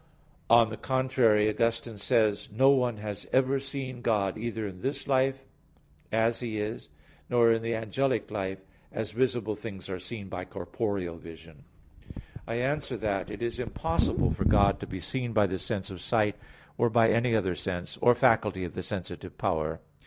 On the contrary, Augustine says (De Vid. Deum, Ep. cxlvii): "No one has ever seen God either in this life, as He is, nor in the angelic life, as visible things are seen by corporeal vision." I answer that, It is impossible for God to be seen by the sense of sight, or by any other sense, or faculty of the sensitive power.